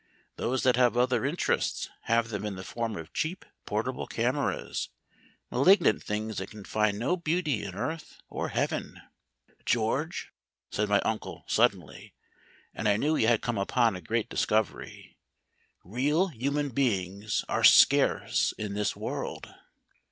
Those that have other interests have them in the form of cheap portable cameras, malignant things that can find no beauty in earth or heaven." "George," said my uncle, suddenly, and I knew he had come upon a great discovery; "real human beings are scarce in this world."